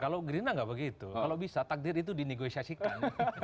kalau gerinda tidak begitu kalau bisa takdir itu dinegosiasikan